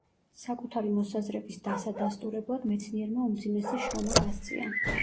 საკუთარი მოსაზრების დასადასტურებლად მეცნიერმა უმძიმესი შრომა გასწია.